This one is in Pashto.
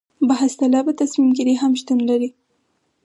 بحث طلبه تصمیم ګیري هم شتون لري.